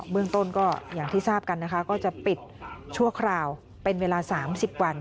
เมืองต้นก็อย่างที่ทราบกันนะคะก็จะปิดชั่วคราวเป็นเวลา๓๐วัน